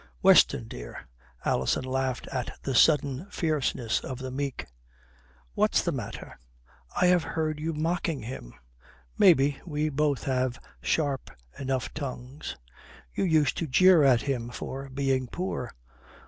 "Weston, dear!" Alison laughed at the sudden fierceness of the meek. "What's the matter?" "I have heard you mocking him." "Maybe. We both have sharp enough tongues." "You used to jeer at him for being poor."